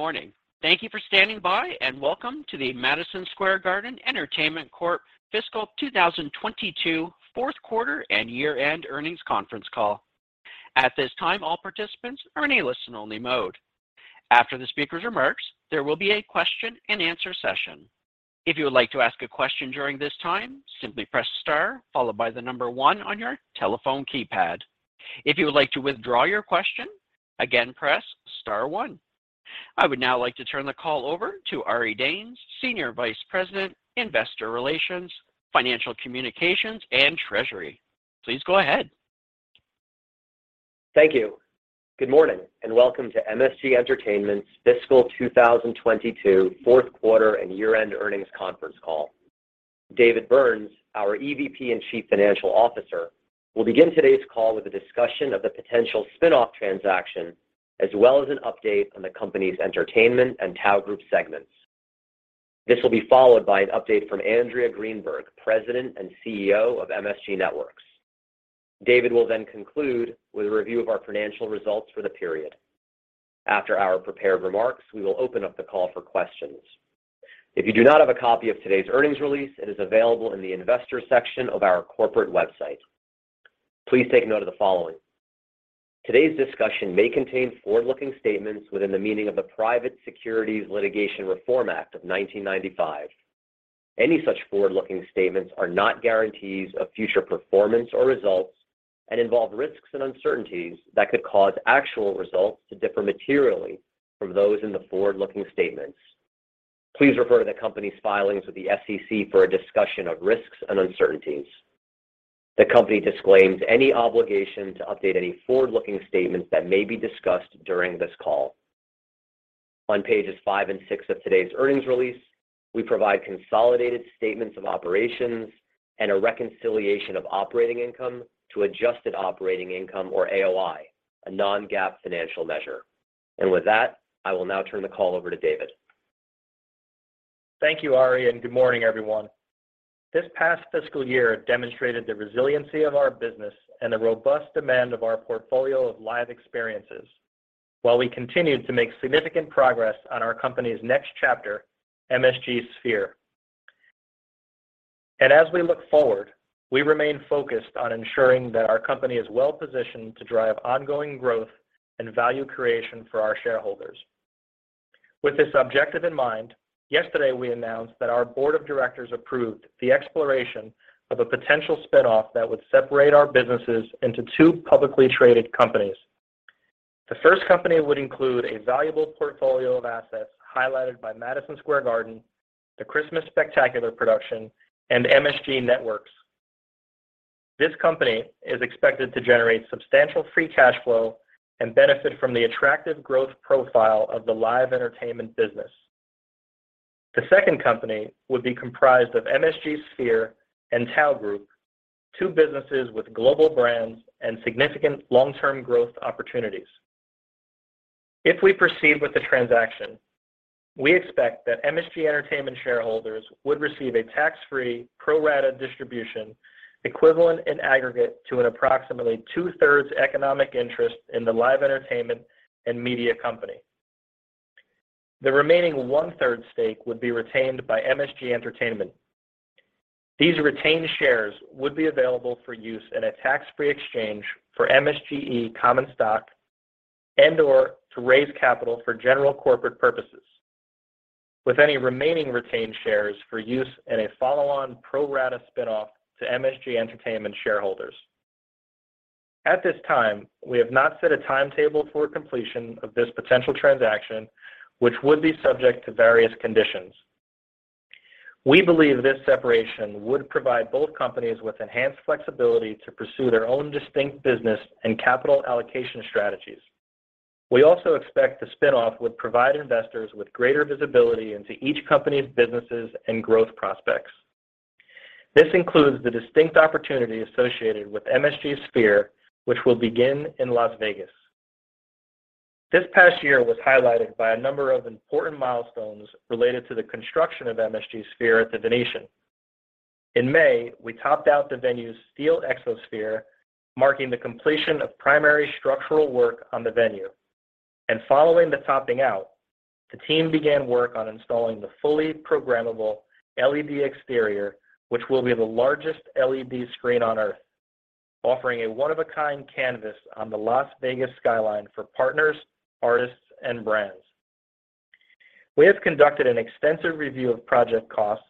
Good morning. Thank you for standing by, and welcome to the Madison Square Garden Entertainment Corp. Fiscal 2022 Fourth Quarter and Year-End Earnings Conference Call. At this time, all participants are in a listen-only mode. After the speaker's remarks, there will be a question-and-answer session. If you would like to ask a question during this time, simply press star followed by the number one on your telephone keypad. If you would like to withdraw your question, again press star one. I would now like to turn the call over to Ari Danes, Senior Vice President, Investor Relations, Financial Communications, and Treasury. Please go ahead. Thank you. Good morning, and welcome to MSG Entertainment's Fiscal 2022 fourth quarter and year-end earnings conference call. David Byrnes, our EVP and Chief Financial Officer, will begin today's call with a discussion of the potential spin-off transaction, as well as an update on the company's entertainment and Tao Group segments. This will be followed by an update from Andrea Greenberg, President and CEO of MSG Networks. David will then conclude with a review of our financial results for the period. After our prepared remarks, we will open up the call for questions. If you do not have a copy of today's earnings release, it is available in the investor section of our corporate website. Please take note of the following. Today's discussion may contain forward-looking statements within the meaning of the Private Securities Litigation Reform Act of 1995. Any such forward-looking statements are not guarantees of future performance or results and involve risks and uncertainties that could cause actual results to differ materially from those in the forward-looking statements. Please refer to the company's filings with the SEC for a discussion of risks and uncertainties. The company disclaims any obligation to update any forward-looking statements that may be discussed during this call. On pages five and six of today's earnings release, we provide consolidated statements of operations and a reconciliation of operating income to adjusted operating income or AOI, a non-GAAP financial measure. With that, I will now turn the call over to David. Thank you, Ari, and good morning, everyone. This past fiscal year demonstrated the resiliency of our business and the robust demand of our portfolio of live experiences while we continued to make significant progress on our company's next chapter, MSG Sphere. As we look forward, we remain focused on ensuring that our company is well-positioned to drive ongoing growth and value creation for our shareholders. With this objective in mind, yesterday we announced that our board of directors approved the exploration of a potential spin-off that would separate our businesses into two publicly traded companies. The first company would include a valuable portfolio of assets highlighted by Madison Square Garden, the Christmas Spectacular production, and MSG Networks. This company is expected to generate substantial free cash flow and benefit from the attractive growth profile of the live entertainment business. The second company would be comprised of MSG Sphere and Tao Group, two businesses with global brands and significant long-term growth opportunities. If we proceed with the transaction, we expect that MSG Entertainment shareholders would receive a tax-free pro rata distribution equivalent in aggregate to an approximately 2/3 economic interest in the live entertainment and media company. The remaining one-third stake would be retained by MSG Entertainment. These retained shares would be available for use in a tax-free exchange for MSGE common stock and/or to raise capital for general corporate purposes with any remaining retained shares for use in a follow-on pro rata spin-off to MSG Entertainment shareholders. At this time, we have not set a timetable for completion of this potential transaction, which would be subject to various conditions. We believe this separation would provide both companies with enhanced flexibility to pursue their own distinct business and capital allocation strategies. We also expect the spin-off would provide investors with greater visibility into each company's businesses and growth prospects. This includes the distinct opportunity associated with Sphere, which will begin in Las Vegas. This past year was highlighted by a number of important milestones related to the construction of Sphere at The Venetian. In May, we topped out the venue's steel Exosphere, marking the completion of primary structural work on the venue. Following the topping out, the team began work on installing the fully programmable LED exterior, which will be the largest LED screen on Earth, offering a one-of-a-kind canvas on the Las Vegas skyline for partners, artists, and brands. We have conducted an extensive review of project costs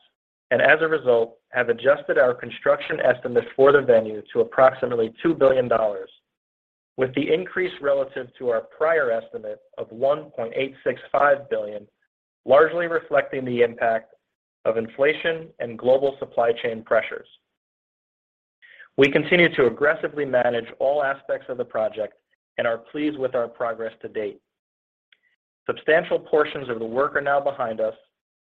and as a result, have adjusted our construction estimate for the venue to approximately $2 billion, with the increase relative to our prior estimate of $1.865 billion, largely reflecting the impact of inflation and global supply chain pressures. We continue to aggressively manage all aspects of the project and are pleased with our progress to date. Substantial portions of the work are now behind us,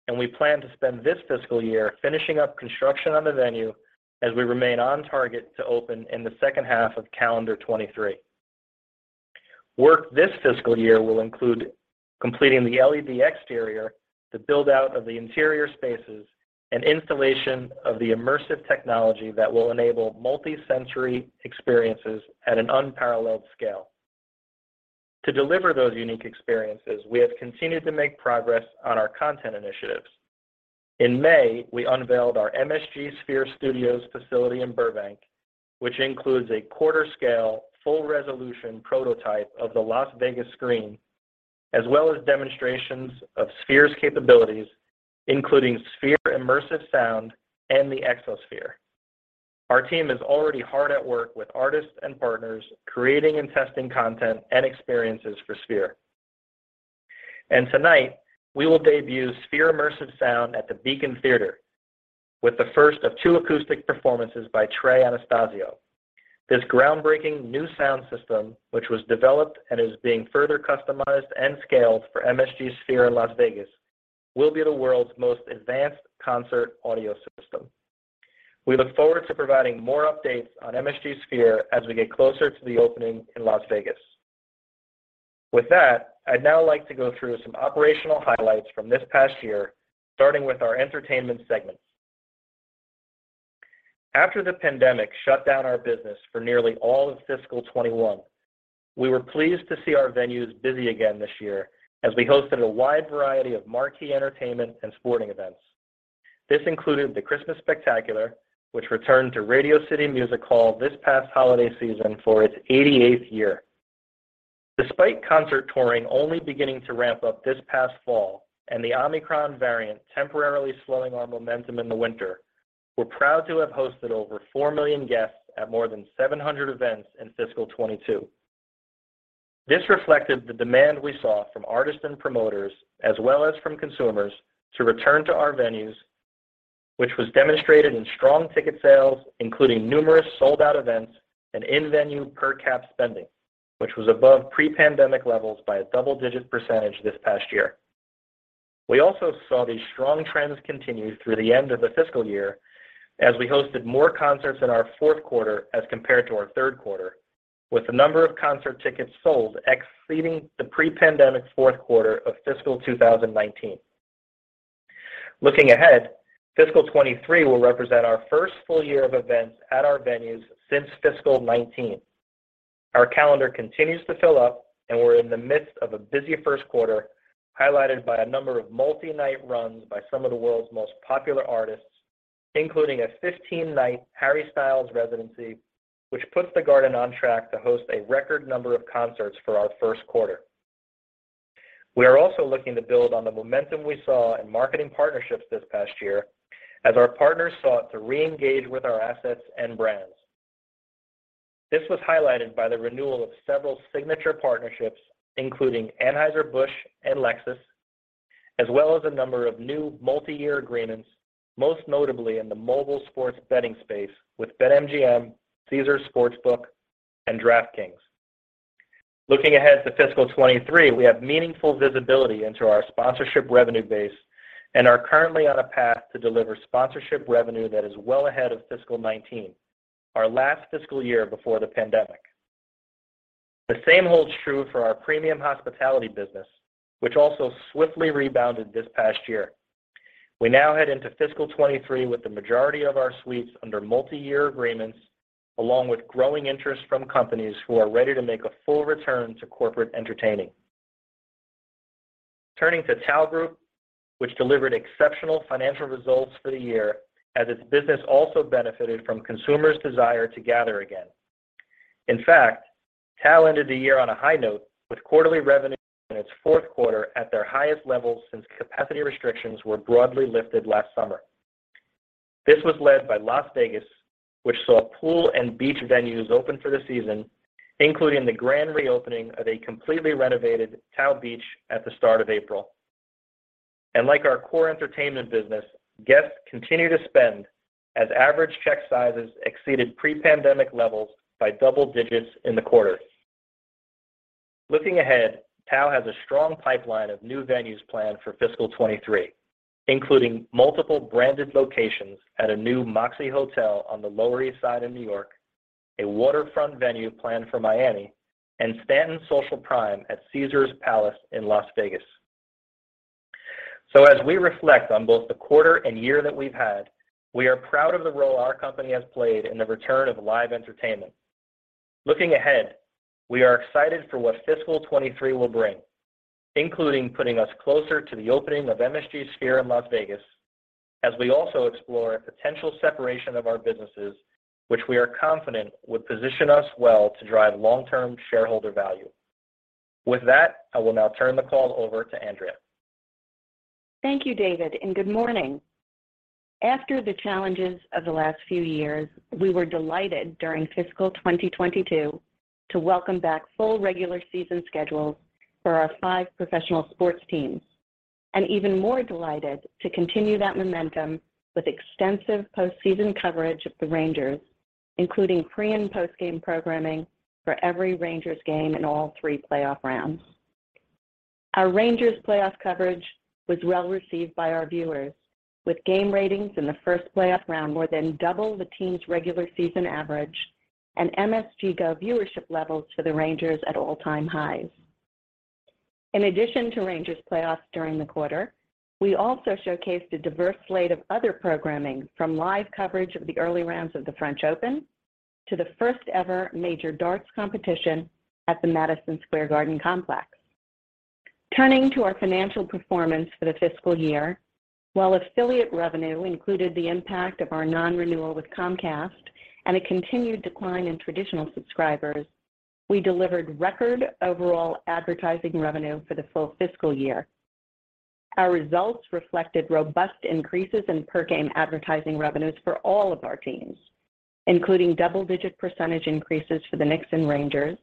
and we plan to spend this fiscal year finishing up construction on the venue as we remain on target to open in the second half of calendar 2023. Work this fiscal year will include completing the LED exterior, the build-out of the interior spaces and installation of the immersive technology that will enable multi-sensory experiences at an unparalleled scale. To deliver those unique experiences, we have continued to make progress on our content initiatives. In May, we unveiled our MSG Sphere Studios facility in Burbank, which includes a quarter-scale full resolution prototype of the Las Vegas screen, as well as demonstrations of Sphere's capabilities, including Sphere Immersive Sound and the Exosphere. Our team is already hard at work with artists and partners creating and testing content and experiences for Sphere. Tonight, we will debut Sphere Immersive Sound at the Beacon Theatre with the first of two acoustic performances by Trey Anastasio. This groundbreaking new sound system, which was developed and is being further customized and scaled for MSG Sphere in Las Vegas, will be the world's most advanced concert audio system. We look forward to providing more updates on MSG Sphere as we get closer to the opening in Las Vegas. With that, I'd now like to go through some operational highlights from this past year, starting with our entertainment segment. After the pandemic shut down our business for nearly all of fiscal 2021, we were pleased to see our venues busy again this year as we hosted a wide variety of marquee entertainment and sporting events. This included the Christmas Spectacular, which returned to Radio City Music Hall this past holiday season for its 88th year. Despite concert touring only beginning to ramp up this past fall and the Omicron variant temporarily slowing our momentum in the winter, we're proud to have hosted over 4 million guests at more than 700 events in fiscal 2022. This reflected the demand we saw from artists and promoters as well as from consumers to return to our venues, which was demonstrated in strong ticket sales, including numerous sold-out events and in-venue per cap spending, which was above pre-pandemic levels by a double-digit percentage this past year. We also saw these strong trends continue through the end of the fiscal year as we hosted more concerts in our fourth quarter as compared to our third quarter, with the number of concert tickets sold exceeding the pre-pandemic fourth quarter of fiscal 2019. Looking ahead, fiscal 2023 will represent our first full year of events at our venues since fiscal 2019. Our calendar continues to fill up, and we're in the midst of a busy first quarter, highlighted by a number of multi-night runs by some of the world's most popular artists, including a 15-night Harry Styles residency, which puts the Garden on track to host a record number of concerts for our first quarter. We are also looking to build on the momentum we saw in marketing partnerships this past year as our partners sought to reengage with our assets and brands. This was highlighted by the renewal of several signature partnerships, including Anheuser-Busch and Lexus, as well as a number of new multi-year agreements, most notably in the mobile sports betting space with BetMGM, Caesars Sportsbook, and DraftKings. Looking ahead to fiscal 2023, we have meaningful visibility into our sponsorship revenue base and are currently on a path to deliver sponsorship revenue that is well ahead of fiscal 2019, our last fiscal year before the pandemic. The same holds true for our premium hospitality business, which also swiftly rebounded this past year. We now head into fiscal 2023 with the majority of our suites under multi-year agreements along with growing interest from companies who are ready to make a full return to corporate entertaining. Turning to Tao Group, which delivered exceptional financial results for the year as its business also benefited from consumers' desire to gather again. In fact, Tao Group ended the year on a high note with quarterly revenue in its fourth quarter at their highest levels since capacity restrictions were broadly lifted last summer. This was led by Las Vegas, which saw pool and beach venues open for the season, including the grand reopening of a completely renovated TAO Beach at the start of April. Like our core entertainment business, guests continue to spend as average check sizes exceeded pre-pandemic levels by double digits in the quarter. Looking ahead, TAO has a strong pipeline of new venues planned for fiscal 2023, including multiple branded locations at a new Moxy Hotel on the Lower East Side of New York, a waterfront venue planned for Miami, and Stanton Social Prime at Caesars Palace in Las Vegas. As we reflect on both the quarter and year that we've had, we are proud of the role our company has played in the return of live entertainment. Looking ahead, we are excited for what fiscal 2023 will bring, including putting us closer to the opening of Sphere in Las Vegas as we also explore a potential separation of our businesses, which we are confident would position us well to drive long-term shareholder value. With that, I will now turn the call over to Andrea. Thank you, David, and good morning. After the challenges of the last few years, we were delighted during fiscal 2022 to welcome back full regular season schedules for our five professional sports teams, and even more delighted to continue that momentum with extensive post-season coverage of the Rangers, including pre- and post-game programming for every Rangers game in all three playoff rounds. Our Rangers playoff coverage was well-received by our viewers, with game ratings in the first playoff round more than double the team's regular season average and MSG GO viewership levels for the Rangers at all-time highs. In addition to Rangers playoffs during the quarter, we also showcased a diverse slate of other programming from live coverage of the early rounds of the French Open to the first ever major darts competition at the Madison Square Garden complex. Turning to our financial performance for the fiscal year, while affiliate revenue included the impact of our non-renewal with Comcast and a continued decline in traditional subscribers, we delivered record overall advertising revenue for the full fiscal year. Our results reflected robust increases in per game advertising revenues for all of our teams, including double-digit percentage increases for the Knicks and Rangers,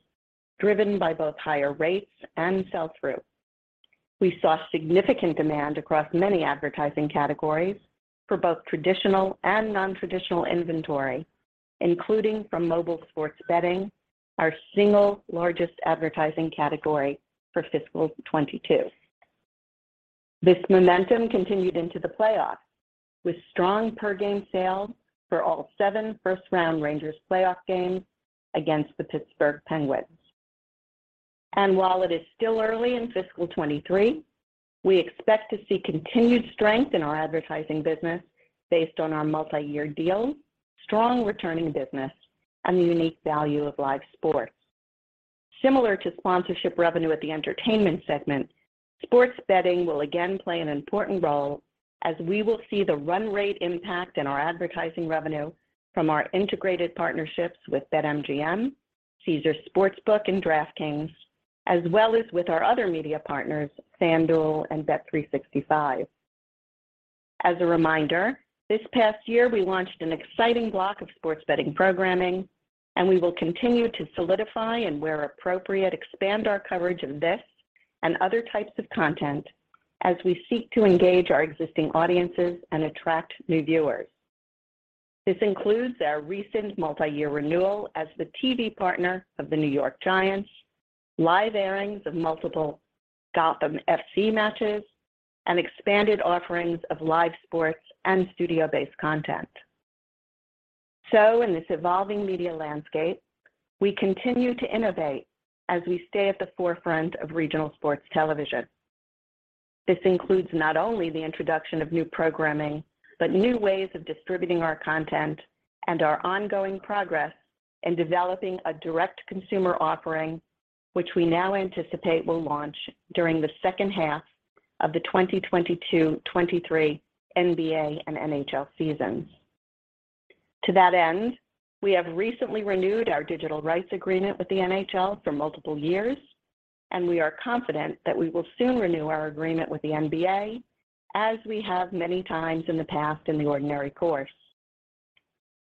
driven by both higher rates and sell-through. We saw significant demand across many advertising categories for both traditional and nontraditional inventory, including from mobile sports betting, our single largest advertising category for fiscal 2022. This momentum continued into the playoffs with strong per game sales for all seven first-round Rangers playoff games against the Pittsburgh Penguins. While it is still early in fiscal 2023, we expect to see continued strength in our advertising business based on our multi-year deals, strong returning business, and the unique value of live sports. Similar to sponsorship revenue at the entertainment segment, sports betting will again play an important role as we will see the run rate impact in our advertising revenue from our integrated partnerships with BetMGM, Caesars Sportsbook, and DraftKings, as well as with our other media partners, FanDuel and Bet365. As a reminder, this past year we launched an exciting block of sports betting programming, and we will continue to solidify and where appropriate, expand our coverage of this and other types of content as we seek to engage our existing audiences and attract new viewers. This includes our recent multi-year renewal as the TV partner of the New York Giants, live airings of multiple Gotham FC matches, and expanded offerings of live sports and studio-based content. In this evolving media landscape, we continue to innovate as we stay at the forefront of regional sports television. This includes not only the introduction of new programming, but new ways of distributing our content and our ongoing progress in developing a direct consumer offering, which we now anticipate will launch during the second half of the 2022-2023 NBA and NHL seasons. To that end, we have recently renewed our digital rights agreement with the NHL for multiple years, and we are confident that we will soon renew our agreement with the NBA as we have many times in the past in the ordinary course.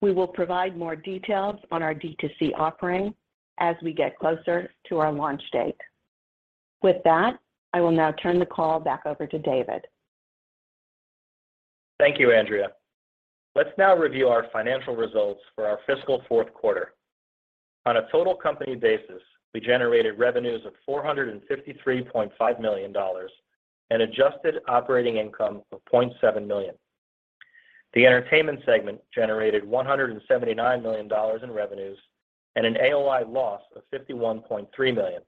We will provide more details on our D2C offering as we get closer to our launch date. With that, I will now turn the call back over to David. Thank you, Andrea. Let's now review our financial results for our fiscal fourth quarter. On a total company basis, we generated revenues of $453.5 million and adjusted operating income of $0.7 million. The entertainment segment generated $179 million in revenues and an AOI loss of $51.3 million.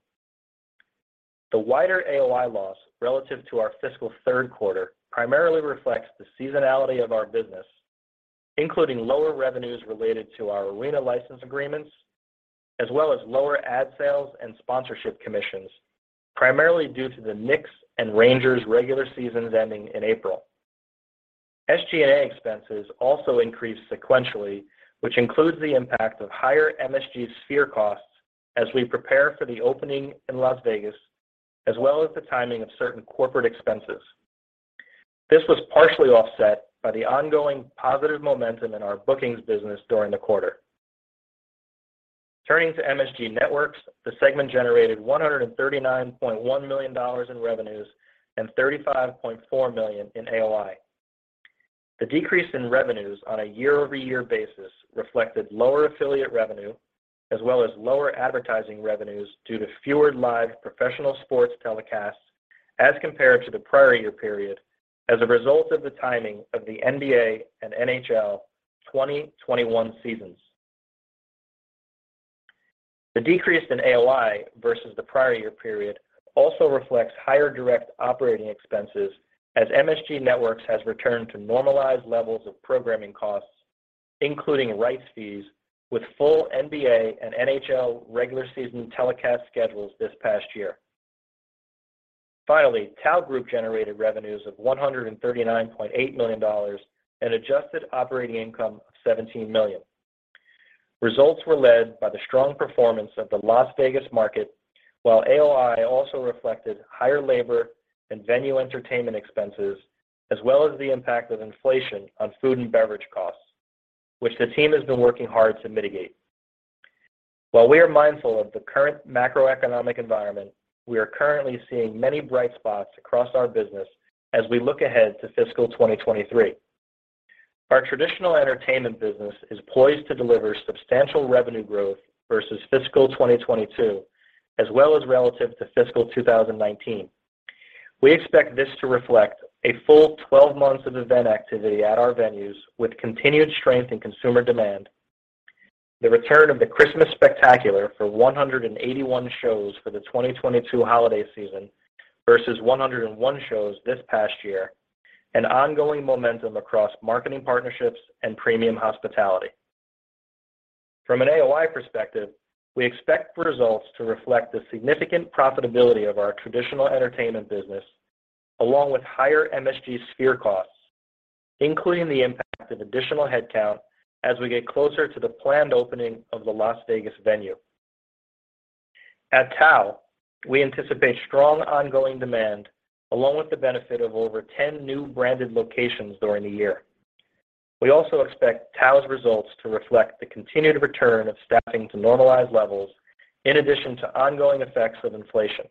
The wider AOI loss relative to our fiscal third quarter primarily reflects the seasonality of our business, including lower revenues related to our arena license agreements, as well as lower ad sales and sponsorship commissions, primarily due to the Knicks and Rangers regular seasons ending in April. SG&A expenses also increased sequentially, which includes the impact of higher MSG Sphere costs as we prepare for the opening in Las Vegas, as well as the timing of certain corporate expenses. This was partially offset by the ongoing positive momentum in our bookings business during the quarter. Turning to MSG Networks, the segment generated $139.1 million in revenues and $35.4 million in AOI. The decrease in revenues on a year-over-year basis reflected lower affiliate revenue as well as lower advertising revenues due to fewer live professional sports telecasts as compared to the prior year period as a result of the timing of the NBA and NHL 2021 seasons. The decrease in AOI versus the prior year period also reflects higher direct operating expenses as MSG Networks has returned to normalized levels of programming costs, including rights fees, with full NBA and NHL regular season telecast schedules this past year. Finally, Tao Group Hospitality generated revenues of $139.8 million and adjusted operating income of $17 million. Results were led by the strong performance of the Las Vegas market, while AOI also reflected higher labor and venue entertainment expenses, as well as the impact of inflation on food and beverage costs, which the team has been working hard to mitigate. While we are mindful of the current macroeconomic environment, we are currently seeing many bright spots across our business as we look ahead to fiscal 2023. Our traditional entertainment business is poised to deliver substantial revenue growth versus fiscal 2022, as well as relative to fiscal 2019. We expect this to reflect a full 12 months of event activity at our venues, with continued strength in consumer demand. The return of the Christmas Spectacular for 181 shows for the 2022 holiday season versus 101 shows this past year, and ongoing momentum across marketing partnerships and premium hospitality. From an AOI perspective, we expect results to reflect the significant profitability of our traditional entertainment business, along with higher MSG Sphere costs, including the impact of additional headcount as we get closer to the planned opening of the Las Vegas venue. At TAO, we anticipate strong ongoing demand along with the benefit of over 10 new branded locations during the year. We also expect TAO's results to reflect the continued return of staffing to normalized levels in addition to ongoing effects of inflation.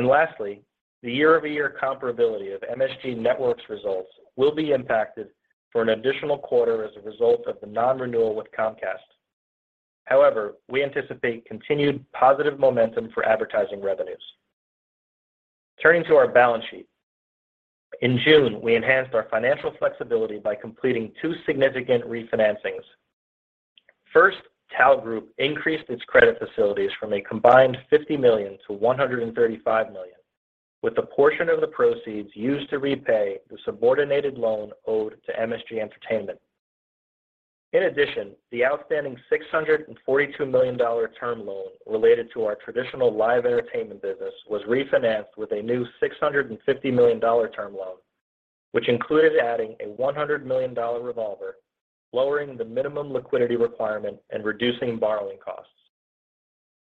Lastly, the year-over-year comparability of MSG Networks results will be impacted for an additional quarter as a result of the non-renewal with Comcast. However, we anticipate continued positive momentum for advertising revenues. Turning to our balance sheet. In June, we enhanced our financial flexibility by completing two significant refinancings. First, Tao Group Hospitality increased its credit facilities from a combined $50 million to $135 million, with a portion of the proceeds used to repay the subordinated loan owed to MSG Entertainment. In addition, the outstanding $642 million term loan related to our traditional live entertainment business was refinanced with a new $650 million term loan, which included adding a $100 million revolver, lowering the minimum liquidity requirement and reducing borrowing costs.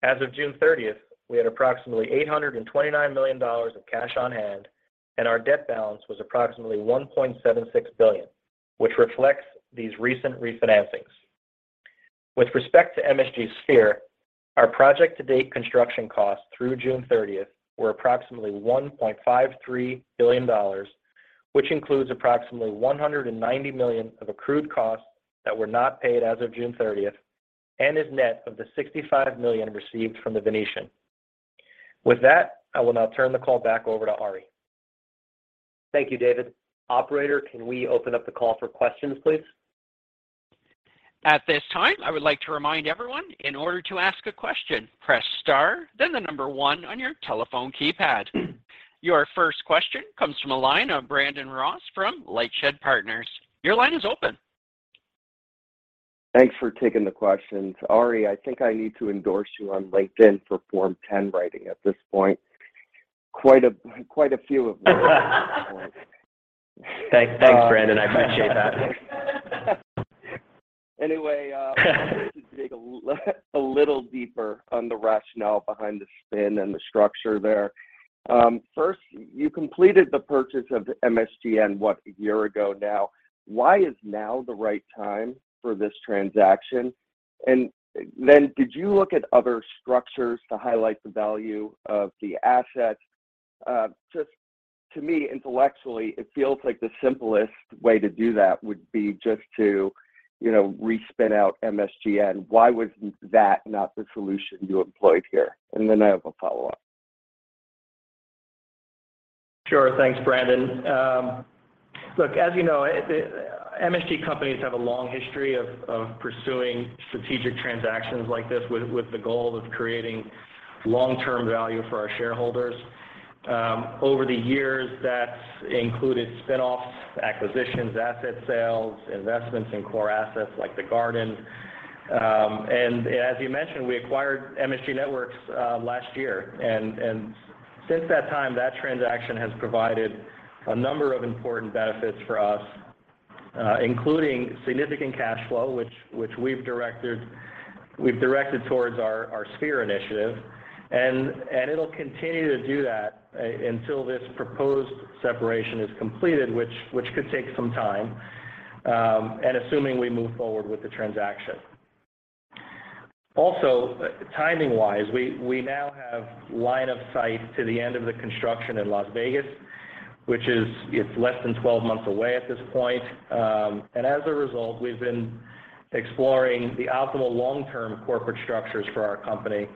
As of June thirtieth, we had approximately $829 million of cash on hand, and our debt balance was approximately $1.76 billion, which reflects these recent refinancings. With respect to MSG Sphere, our project-to-date construction costs through June thirtieth were approximately $1.53 billion, which includes approximately $190 million of accrued costs that were not paid as of June thirtieth and is net of the $65 million received from The Venetian. With that, I will now turn the call back over to Ari. Thank you, David. Operator, can we open up the call for questions, please? At this time, I would like to remind everyone, in order to ask a question, press star, then the number one on your telephone keypad. Your first question comes from a line of Brandon Ross from LightShed Partners. Your line is open. Thanks for taking the questions. Ari, I think I need to endorse you on LinkedIn for Form 10 writing at this point. Quite a few of them at this point. Thanks. Thanks, Brandon. I appreciate that. Anyway, I'd like to dig a little deeper on the rationale behind the spin and the structure there. First, you completed the purchase of MSGN, what, a year ago now. Why is now the right time for this transaction? And then did you look at other structures to highlight the value of the assets? Just to me, intellectually, it feels like the simplest way to do that would be just to, you know, re-spin out MSGN. Why was that not the solution you employed here? And then I have a follow-up. Sure. Thanks, Brandon. Look, as you know, the MSG companies have a long history of pursuing strategic transactions like this with the goal of creating long-term value for our shareholders. Over the years, that's included spinoffs, acquisitions, asset sales, investments in core assets like the Garden. As you mentioned, we acquired MSG Networks last year. Since that time, that transaction has provided a number of important benefits for us, including significant cash flow, which we've directed towards our Sphere initiative. It'll continue to do that until this proposed separation is completed, which could take some time, and assuming we move forward with the transaction. Also, timing-wise, we now have line of sight to the end of the construction in Las Vegas, which is less than 12 months away at this point. As a result, we've been exploring the optimal long-term corporate structures for our company.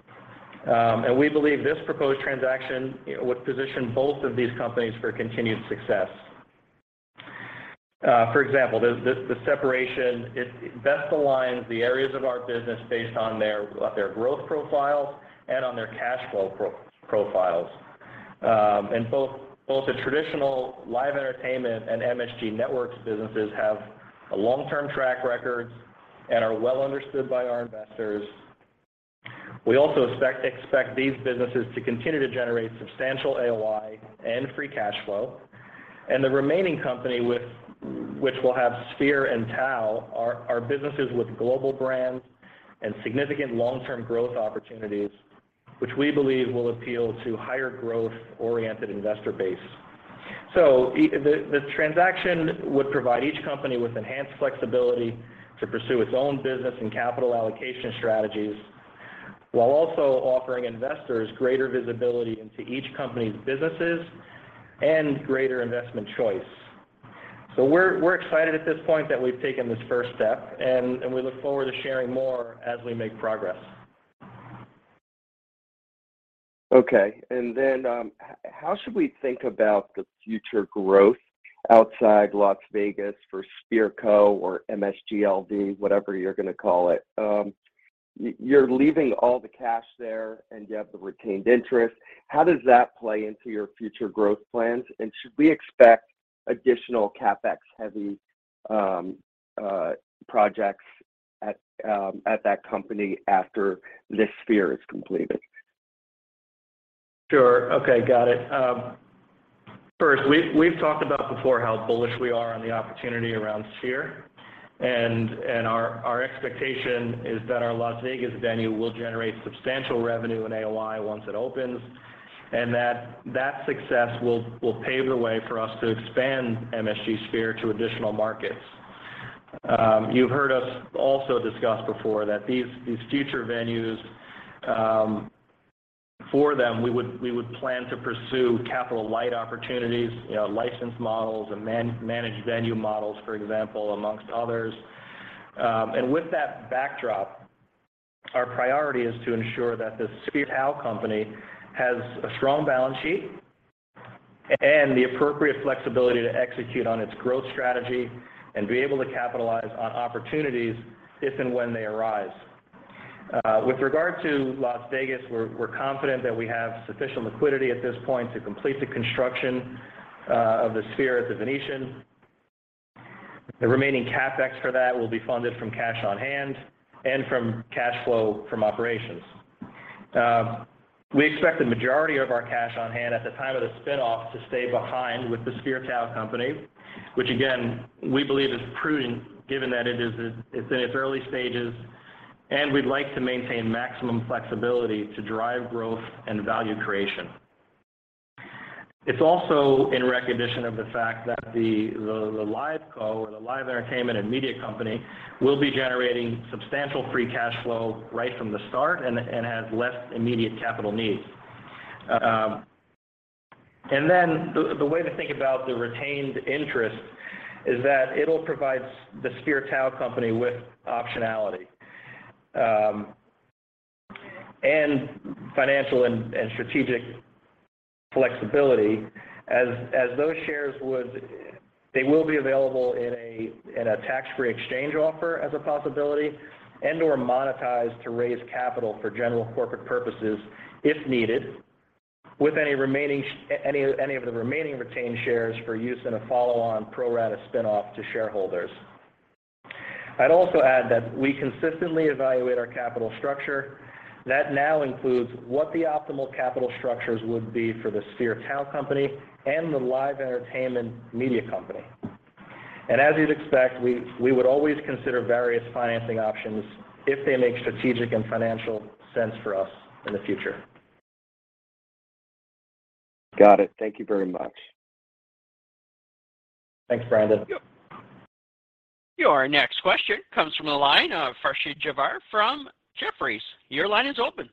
We believe this proposed transaction, you know, would position both of these companies for continued success. For example, the separation it best aligns the areas of our business based on their growth profiles and on their cash flow profiles. Both the traditional live entertainment and MSG Networks businesses have a long-term track record and are well understood by our investors. We also expect these businesses to continue to generate substantial AOI and free cash flow. The remaining company which will have Sphere and TAO are businesses with global brands and significant long-term growth opportunities, which we believe will appeal to higher growth-oriented investor base. The transaction would provide each company with enhanced flexibility to pursue its own business and capital allocation strategies, while also offering investors greater visibility into each company's businesses and greater investment choice. We're excited at this point that we've taken this first step, and we look forward to sharing more as we make progress. Okay. How should we think about the future growth outside Las Vegas for Sphere Co. or MSG LD, whatever you're gonna call it? You're leaving all the cash there, and you have the retained interest. How does that play into your future growth plans, and should we expect additional CapEx heavy projects at that company after this Sphere is completed? Sure. Okay, got it. First, we've talked about before how bullish we are on the opportunity around Sphere. Our expectation is that our Las Vegas venue will generate substantial revenue and AOI once it opens, and that success will pave the way for us to expand MSG Sphere to additional markets. You've heard us also discuss before that these future venues, for them, we would plan to pursue capital-light opportunities, you know, license models and managed venue models, for example, among others. With that backdrop, our priority is to ensure that the Sphere Entertainment Co. has a strong balance sheet and the appropriate flexibility to execute on its growth strategy and be able to capitalize on opportunities if and when they arise. With regard to Las Vegas, we're confident that we have sufficient liquidity at this point to complete the construction of the Sphere at The Venetian. The remaining CapEx for that will be funded from cash on hand and from cash flow from operations. We expect the majority of our cash on hand at the time of the spin-off to stay behind with the Sphere Entertainment Co., which again, we believe is prudent given that it's in its early stages, and we'd like to maintain maximum flexibility to drive growth and value creation. It's also in recognition of the fact that the Live Co. or the Live Entertainment and Media company will be generating substantial free cash flow right from the start and has less immediate capital needs. The way to think about the retained interest is that it'll provide the Sphere Tao company with optionality, and financial and strategic flexibility as they will be available in a tax-free exchange offer as a possibility and/or monetized to raise capital for general corporate purposes if needed with any of the remaining retained shares for use in a follow-on pro rata spin-off to shareholders. I'd also add that we consistently evaluate our capital structure. That now includes what the optimal capital structures would be for the Sphere Tao company and the Live Entertainment Media company. As you'd expect, we would always consider various financing options if they make strategic and financial sense for us in the future. Got it. Thank you very much. Thanks, Brandon. Yep. Your next question comes from the line of Gautam Ranji from Jefferies. Your line is open.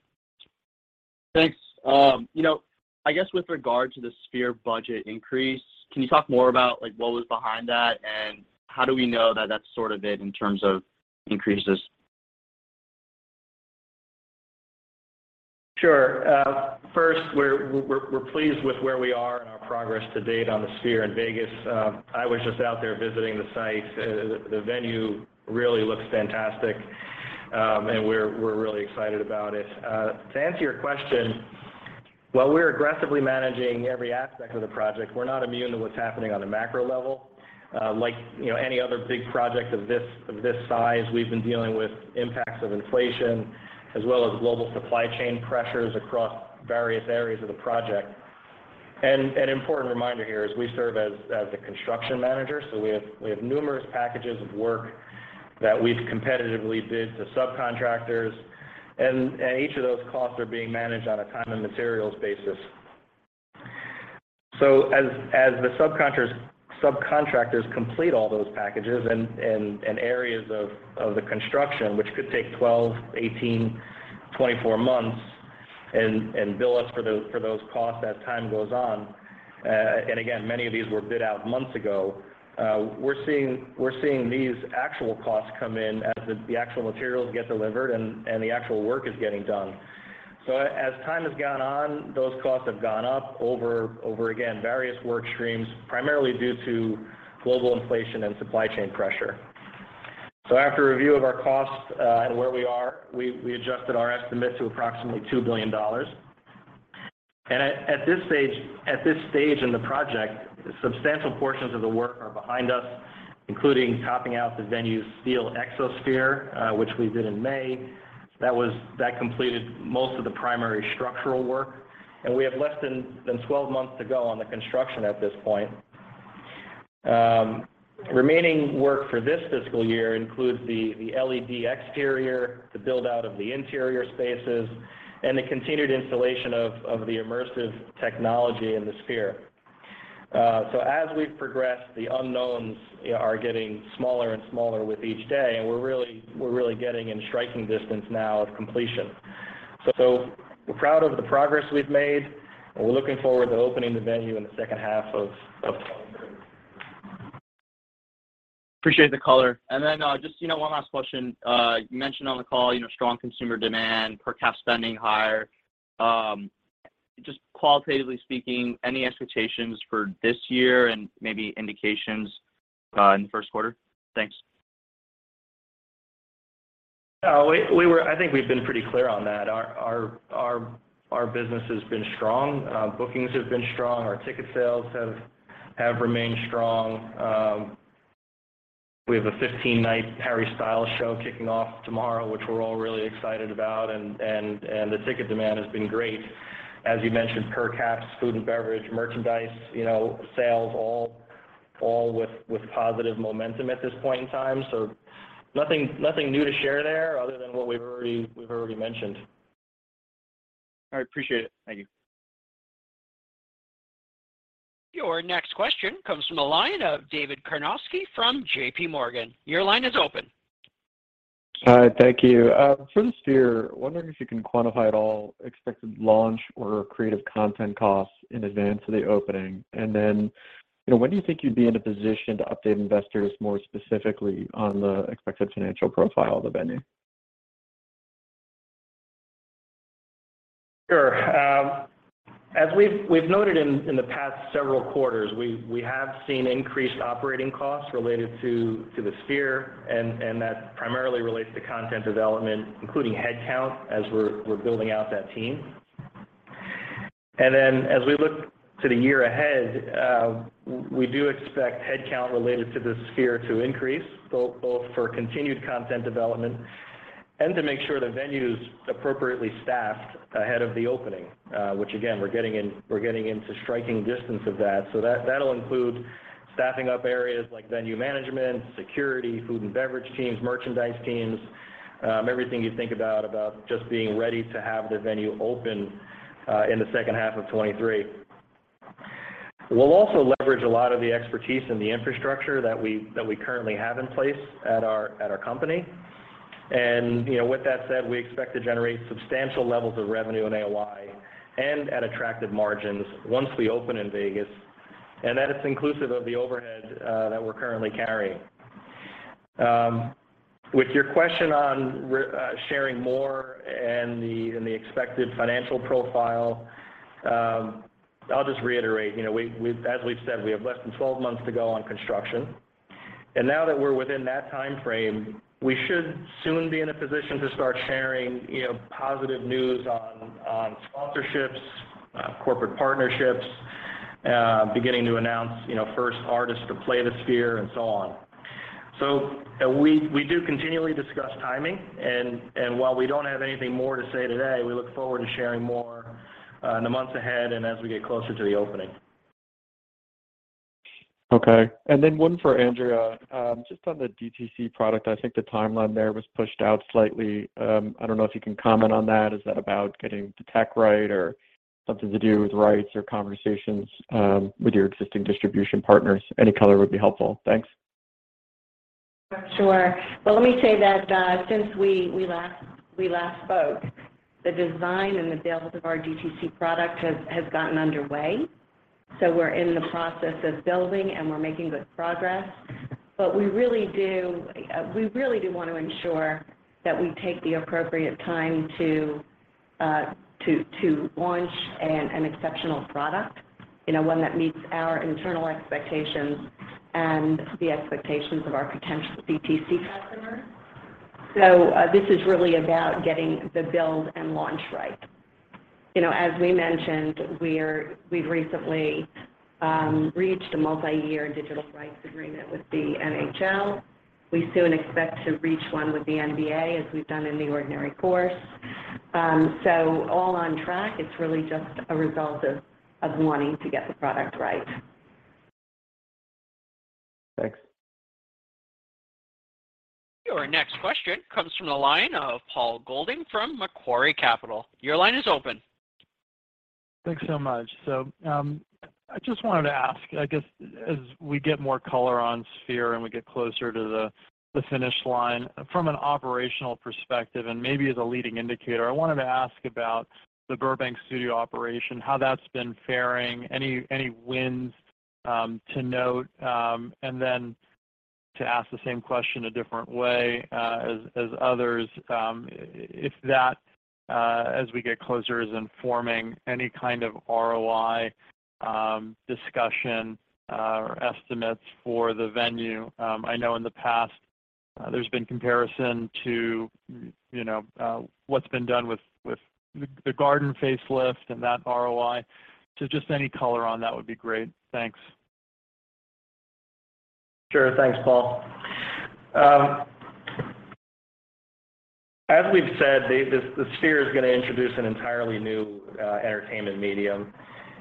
Thanks. You know, I guess with regard to the Sphere budget increase, can you talk more about, like, what was behind that, and how do we know that that's sort of it in terms of increases? Sure. First, we're pleased with where we are in our progress to date on the Sphere in Vegas. I was just out there visiting the site. The venue really looks fantastic, and we're really excited about it. To answer your question, while we're aggressively managing every aspect of the project, we're not immune to what's happening on a macro level. Like, you know, any other big project of this size, we've been dealing with impacts of inflation as well as global supply chain pressures across various areas of the project. An important reminder here is we serve as a construction manager, so we have numerous packages of work that we've competitively bid to subcontractors and each of those costs are being managed on a time and materials basis. As the subcontractors complete all those packages and areas of the construction, which could take 12, 18, 24 months, and bill us for those costs as time goes on, and again, many of these were bid out months ago, we're seeing these actual costs come in as the actual materials get delivered and the actual work is getting done. As time has gone on, those costs have gone up over again, various work streams, primarily due to global inflation and supply chain pressure. After review of our costs and where we are, we adjusted our estimate to approximately $2 billion. At this stage in the project, substantial portions of the work are behind us, including topping out the venue's steel Exosphere, which we did in May. That completed most of the primary structural work, and we have less than 12 months to go on the construction at this point. Remaining work for this fiscal year includes the LED exterior, the build-out of the interior spaces, and the continued installation of the immersive technology in the Sphere. So as we progress, the unknowns, you know, are getting smaller and smaller with each day, and we're really getting in striking distance now of completion. We're proud of the progress we've made, and we're looking forward to opening the venue in the second half of 2020. Appreciate the color. Then, just, you know, one last question. You mentioned on the call, you know, strong consumer demand, per cap spending higher. Just qualitatively speaking, any expectations for this year and maybe indications in the first quarter? Thanks. Yeah. I think we've been pretty clear on that. Our business has been strong. Bookings have been strong. Our ticket sales have remained strong. We have a 15-night Harry Styles show kicking off tomorrow, which we're all really excited about, and the ticket demand has been great. As you mentioned, per caps, food and beverage, merchandise, you know, sales all with positive momentum at this point in time. Nothing new to share there other than what we've already mentioned. All right. Appreciate it. Thank you. Your next question comes from the line of David Karnovsky from JPMorgan. Your line is open. Hi, thank you. For the Sphere, wondering if you can quantify at all expected launch or creative content costs in advance of the opening. You know, when do you think you'd be in a position to update investors more specifically on the expected financial profile of the venue? Sure. As we've noted in the past several quarters, we have seen increased operating costs related to the Sphere and that primarily relates to content development, including headcount as we're building out that team. Then as we look to the year ahead, we do expect headcount related to the Sphere to increase, both for continued content development and to make sure the venue's appropriately staffed ahead of the opening, which again, we're getting into striking distance of that. That'll include staffing up areas like venue management, security, food and beverage teams, merchandise teams, everything you think about just being ready to have the venue open in the second half of 2023. We'll also leverage a lot of the expertise and the infrastructure that we currently have in place at our company. You know, with that said, we expect to generate substantial levels of revenue and AOI and at attractive margins once we open in Vegas, and that is inclusive of the overhead that we're currently carrying. With your question on sharing more and the expected financial profile, I'll just reiterate, you know, as we've said, we have less than 12 months to go on construction. Now that we're within that timeframe, we should soon be in a position to start sharing, you know, positive news on sponsorships, corporate partnerships, beginning to announce, you know, first artists to play the Sphere and so on. We do continually discuss timing and while we don't have anything more to say today, we look forward to sharing more in the months ahead and as we get closer to the opening. Okay. Then one for Andrea. Just on the DTC product, I think the timeline there was pushed out slightly. I don't know if you can comment on that. Is that about getting the tech right or something to do with rights or conversations with your existing distribution partners? Any color would be helpful. Thanks. Sure. Well, let me say that since we last spoke, the design and the build of our DTC product has gotten underway. We're in the process of building, and we're making good progress. We really do want to ensure that we take the appropriate time to launch an exceptional product, you know, one that meets our internal expectations and the expectations of our potential DTC customers. This is really about getting the build and launch right. You know, as we mentioned, we've recently reached a multi-year digital rights agreement with the NHL. We soon expect to reach one with the NBA as we've done in the ordinary course. All on track, it's really just a result of wanting to get the product right. Thanks. Your next question comes from the line of Paul Golding from Macquarie Capital. Your line is open. Thanks so much. I just wanted to ask, I guess as we get more color on Sphere and we get closer to the finish line. From an operational perspective, and maybe as a leading indicator, I wanted to ask about the Burbank Studio operation, how that's been faring, any wins to note? To ask the same question a different way, as others, if that, as we get closer is informing any kind of ROI discussion or estimates for the venue? I know in the past, there's been comparison to, you know, what's been done with the Garden facelift and that ROI. Just any color on that would be great. Thanks. Sure. Thanks, Paul. As we've said, the Sphere is gonna introduce an entirely new entertainment medium.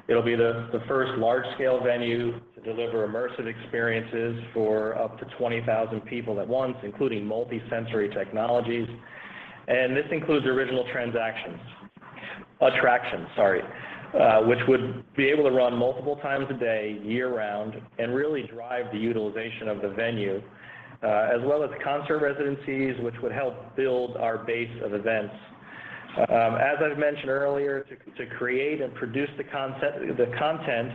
It'll be the first large scale venue to deliver immersive experiences for up to 20,000 people at once, including multi-sensory technologies. This includes original attractions, sorry, which would be able to run multiple times a day, year-round and really drive the utilization of the venue, as well as concert residencies, which would help build our base of events. As I've mentioned earlier, to create and produce the content,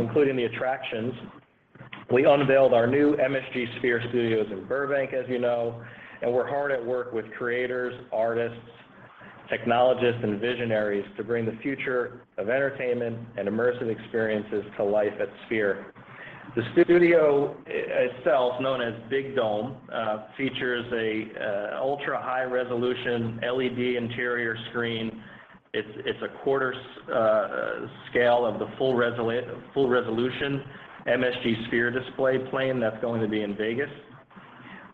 including the attractions, we unveiled our new MSG Sphere Studios in Burbank, as you know, and we're hard at work with creators, artists, technologists, and visionaries to bring the future of entertainment and immersive experiences to life at Sphere. The studio itself, known as Big Dome, features a ultra-high resolution LED interior screen. It's a quarter scale of the full resolution MSG Sphere display plane that's going to be in Vegas.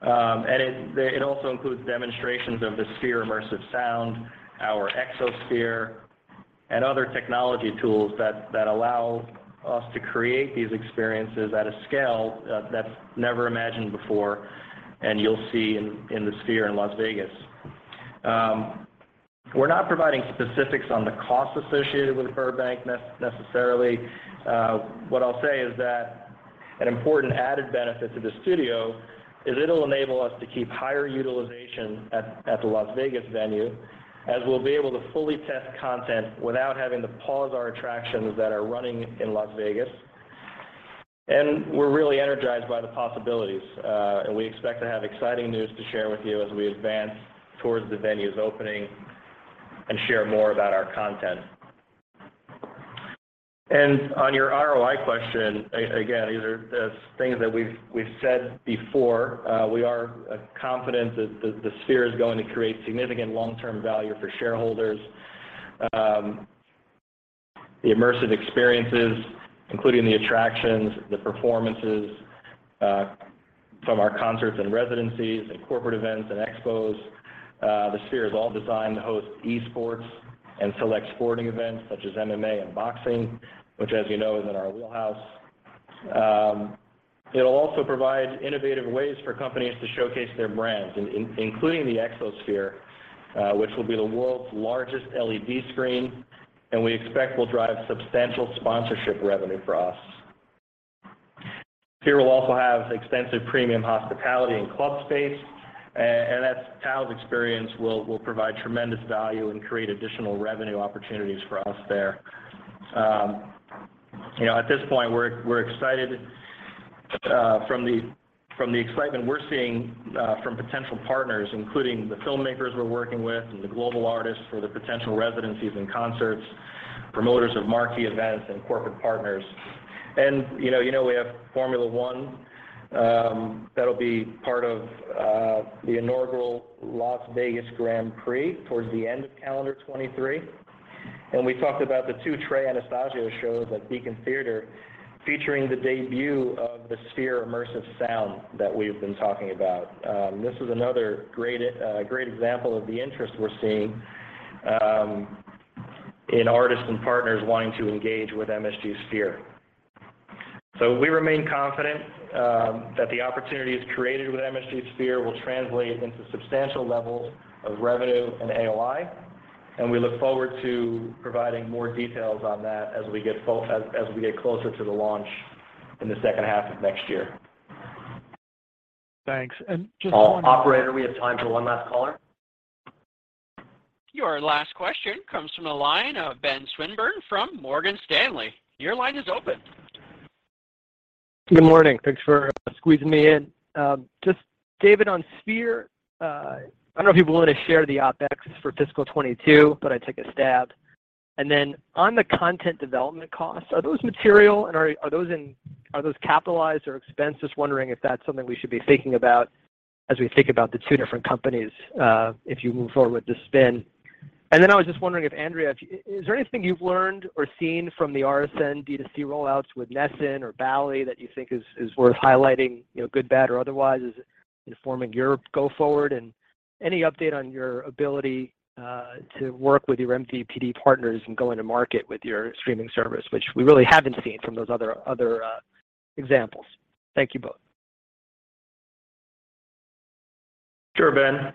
It also includes demonstrations of the Sphere Immersive Sound, our Exosphere, and other technology tools that allow us to create these experiences at a scale that's never imagined before and you'll see in the Sphere in Las Vegas. We're not providing specifics on the costs associated with Burbank necessarily. What I'll say is that an important added benefit to the studio is it'll enable us to keep higher utilization at the Las Vegas venue as we'll be able to fully test content without having to pause our attractions that are running in Las Vegas. We're really energized by the possibilities. We expect to have exciting news to share with you as we advance towards the venue's opening and share more about our content. On your ROI question, again, these are just things that we've said before. We are confident that the Sphere is going to create significant long-term value for shareholders. The immersive experiences, including the attractions, the performances, from our concerts and residencies and corporate events and expos. The Sphere is all designed to host esports and select sporting events such as MMA and boxing, which as you know is in our wheelhouse. It'll also provide innovative ways for companies to showcase their brands, including the exosphere, which will be the world's largest LED screen, and we expect will drive substantial sponsorship revenue for us. Sphere will also have extensive premium hospitality and club space, and that's Tao's experience will provide tremendous value and create additional revenue opportunities for us there. You know, at this point we're excited from the excitement we're seeing from potential partners, including the filmmakers we're working with and the global artists for the potential residencies and concerts, promoters of marquee events and corporate partners. You know we have Formula One, that'll be part of the inaugural Las Vegas Grand Prix towards the end of calendar 2023. We talked about the two Trey Anastasio shows at Beacon Theatre featuring the debut of the Sphere Immersive Sound that we've been talking about. This is another great example of the interest we're seeing in artists and partners wanting to engage with MSG Sphere. We remain confident that the opportunities created with MSG Sphere will translate into substantial levels of revenue and AOI, and we look forward to providing more details on that as we get closer to the launch in the second half of next year. Thanks. Just one more. Operator, we have time for one last caller. Your last question comes from the line of Ben Swinburne from Morgan Stanley. Your line is open. Good morning. Thanks for squeezing me in. Just David, on Sphere, I don't know if you're willing to share the OpEx for fiscal 2022, but I took a stab. Then on the content development costs, are those material and are those capitalized or expensed? Just wondering if that's something we should be thinking about as we think about the two different companies, if you move forward with the spin. Then I was just wondering if Andrea, is there anything you've learned or seen from the RSN D2C rollouts with NESN or Bally that you think is worth highlighting, you know, good, bad or otherwise as informing your go forward? Any update on your ability to work with your MVPD partners and go to market with your streaming service, which we really haven't seen from those other examples? Thank you both. Sure, Ben.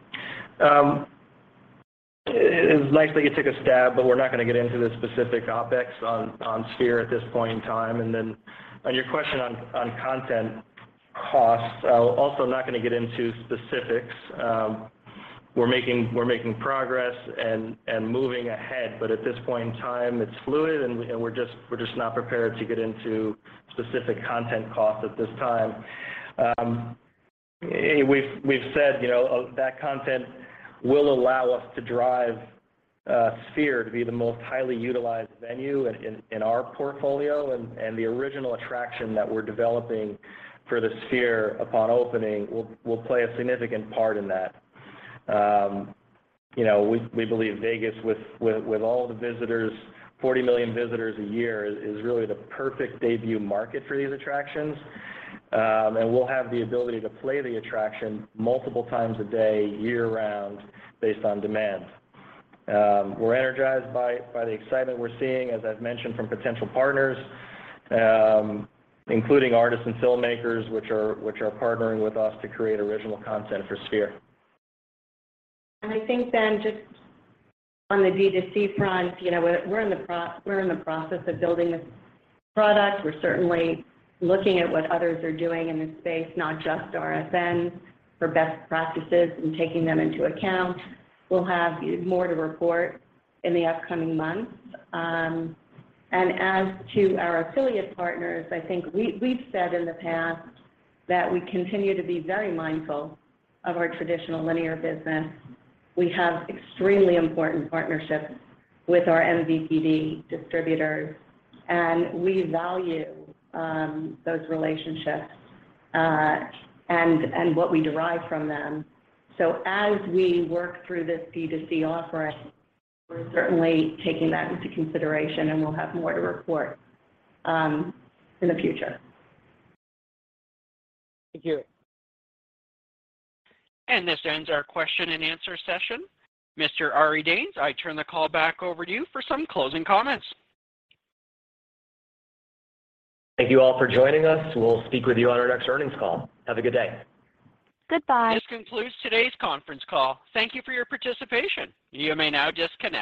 It is likely you took a stab, but we're not gonna get into the specific OpEx on Sphere at this point in time. On your question on content costs, I'll also not gonna get into specifics. We're making progress and moving ahead, but at this point in time it's fluid and we're just not prepared to get into specific content costs at this time. We've said, you know, that content will allow us to drive Sphere to be the most highly utilized venue in our portfolio and the original attraction that we're developing for the Sphere upon opening will play a significant part in that. You know, we believe Vegas with all the visitors, 40 million visitors a year is really the perfect debut market for these attractions. We'll have the ability to play the attraction multiple times a day, year-round based on demand. We're energized by the excitement we're seeing, as I've mentioned from potential partners, including artists and filmmakers which are partnering with us to create original content for Sphere. I think, Ben, just on the D2C front, you know, we're in the process of building this product. We're certainly looking at what others are doing in this space, not just RSNs, for best practices and taking them into account. We'll have more to report in the upcoming months. As to our affiliate partners, I think we've said in the past that we continue to be very mindful of our traditional linear business. We have extremely important partnerships with our MVPD distributors, and we value those relationships and what we derive from them. As we work through this D2C offering, we're certainly taking that into consideration and we'll have more to report in the future. Thank you. This ends our question and answer session. Mr. Ari Danes, I turn the call back over to you for some closing comments. Thank you all for joining us. We'll speak with you on our next earnings call. Have a good day. Goodbye. This concludes today's conference call. Thank you for your participation. You may now disconnect.